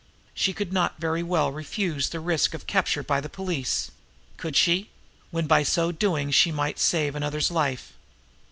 She could not very well refuse to risk her capture by the police, could she, when by so doing she might save another's life?